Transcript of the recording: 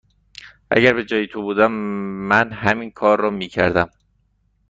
اگر به جای تو بودم، من همین کار را می کردم.